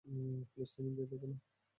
Please তুমি গিয়ে দেখ না।